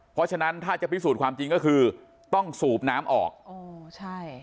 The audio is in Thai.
เพราะฉะนั้นถ้าจะพิสูจน์ความจริงก็คือต้องสูบน้ำออกอ๋อใช่